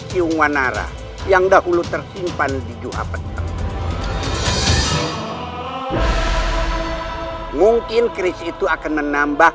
siungwanara yang dahulu tersimpan di juapeteng mungkin chris itu akan menambah